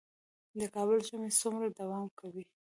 د کابل ژمی څومره دوام کوي؟